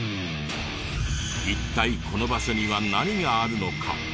一体この場所には何があるのか？